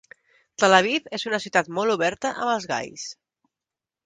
Tel Aviv és una ciutat molt oberta amb els gais.